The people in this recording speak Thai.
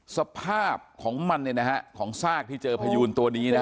สภาพของมันเนี่ยนะฮะของซากที่เจอพยูนตัวนี้นะฮะ